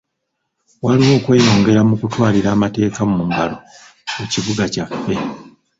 Waliwo okweyongera mu kutwalira amateeka mu ngalo mu kibuga kyaffe.